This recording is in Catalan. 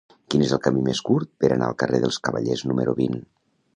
Quin és el camí més curt per anar al carrer dels Cavallers número vint?